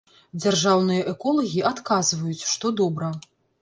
Дзяржаўныя эколагі адказваюць, што добра.